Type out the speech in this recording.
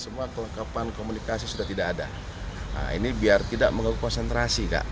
semua kelengkapan komunikasi sudah tidak ada ini biar tidak mengganggu konsentrasi kak